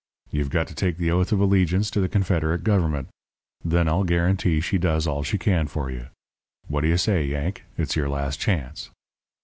You've got to take the oath of allegiance to the Confederate Government. Then I'll guarantee she does all she can for you. What do you say, Yank? it's your last chance.'